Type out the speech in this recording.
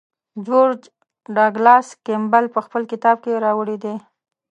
جورج ډاګلاس کیمبل په خپل کتاب کې راوړی دی.